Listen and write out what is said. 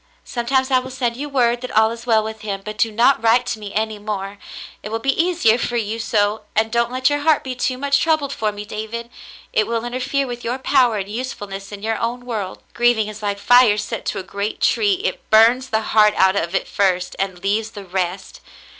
Sometimes I will send you word that all is well with him, but do not write to me any more. It David and his Mother ^93 will be easier for you so, and don't let your heart be too much troubled for me, David. It will interfere with your power and usefulness in your own world. Grieving is like fire set to a great tree. It burns the heart out of it first, and leaves the rest.